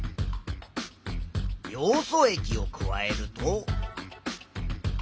ヨウ素液を加えると。